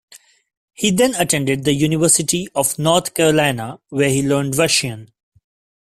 He then attended the University of North Carolina, where he learned Russian.